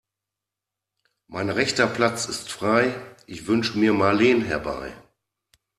Mein rechter Platz ist frei, ich wünsche mir Marleen herbei.